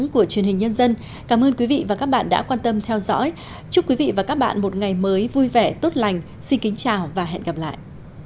cảm ơn các bạn đã theo dõi và hẹn gặp lại